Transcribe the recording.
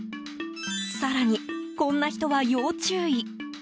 更に、こんな人は要注意。